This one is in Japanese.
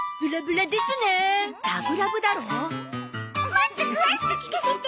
もっと詳しく聞かせて。